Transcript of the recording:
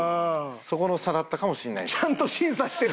そこの差だったかもしれないです。